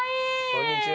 こんにちは。